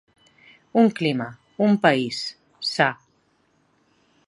Un clima, un país, sa.